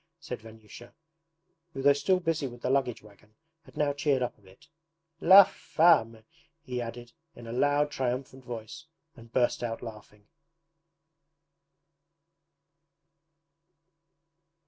said Vanyusha, who though still busy with the luggage wagon had now cheered up a bit. 'LA FAME!' he added in a loud triumphant voice and burst out laughing.